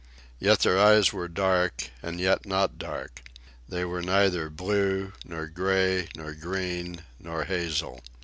Yet their eyes were dark—and yet not dark. They were neither blue, nor gray, nor green, nor hazel.